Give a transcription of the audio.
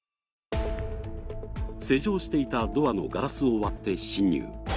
施錠していたドアのガラスを割って侵入。